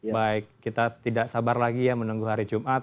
baik kita tidak sabar lagi ya menunggu hari jumat